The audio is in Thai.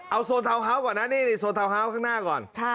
เอาโซนเท้าเฮ้าส์ก่อนนะโซนเท้าเฮ้าส์ข้างหน้าก่อน